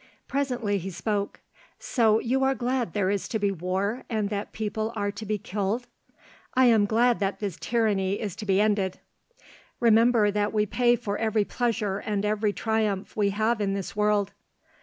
Presently he spoke. "So you are glad there is to be war and that people are to be killed?" "I am glad that this tyranny is to be ended." "Remember that we pay for every pleasure and every triumph we have in this world."